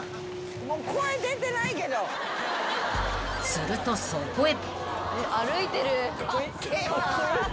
［するとそこへ］